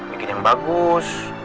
bikin yang bagus